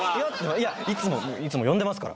いやいつもいつも呼んでますから。